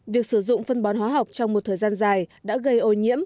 việc sử dụng phân bón hóa học trong một thời gian dài đã gây ô nhiễm